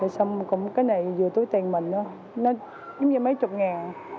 xong cũng cái này vừa túi tiền mình nữa nó giống như mấy chục ngàn